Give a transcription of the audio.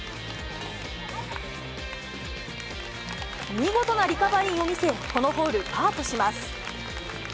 見事なリカバリーを見せ、このホール、パーとします。